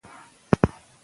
ښوونکي هڅاند دي.